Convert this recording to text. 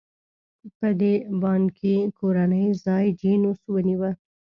په دې بانکي کورنۍ ځای جینوس ونیوه.